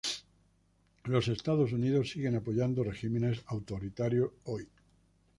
Los Estados Unidos sigue apoyando regímenes autoritarios hoy.